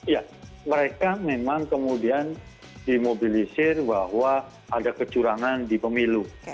ya mereka memang kemudian dimobilisir bahwa ada kecurangan di pemilu